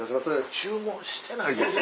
注文してないですよ。